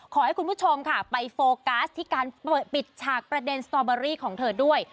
คุณผู้ชมค่ะไปโฟกัสที่การปิดฉากประเด็นสตอเบอรี่ของเธอด้วย